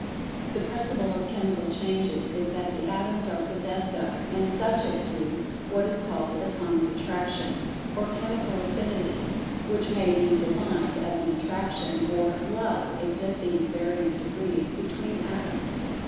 The principle of Chemical Changes is that the Atoms are possessed of, and subject to, what is called "Atomic Attraction" or "Chemical Affinity," which may be defined as an attraction or "love" existing in varying degrees between Atoms.